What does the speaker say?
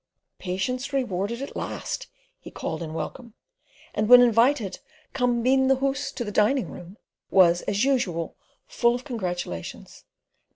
"Patience rewarded at last," he called in welcome; and when invited to "come ben the hoose to the diningroom," was, as usual, full of congratulations.